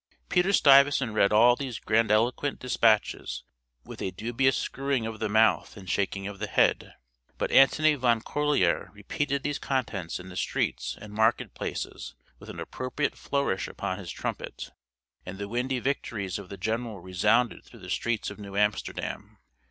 Peter Stuyvesant read all these grandiloquent dispatches with a dubious screwing of the mouth and shaking of the head; but Antony Van Corlear repeated these contents in the streets and market places with an appropriate flourish upon his trumpet, and the windy victories of the general resounded through the streets of New Amsterdam.